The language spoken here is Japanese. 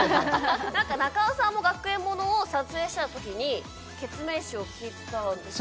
何か中尾さんも学園ものを撮影してた時にケツメイシを聴いてたんですか？